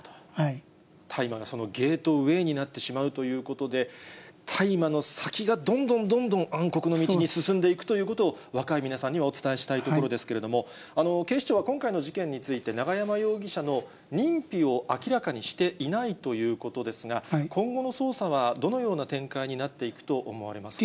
大麻がそのゲートウェイになってしまうということで、大麻の先がどんどんどんどん暗黒の道に進んでいくということを、若い皆さんにお伝えしたいところですけれども、警視庁は今回の事件について、永山容疑者の認否を明らかにしていないということですが、今後の捜査はどのような展開になっていくと思われますか。